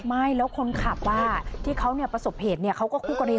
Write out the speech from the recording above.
ไม่แล้วคนขับที่เขาประสบเหตุเขาก็คู่กรณี